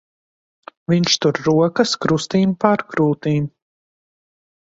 Viņš tur rokas krustīm pār krūtīm.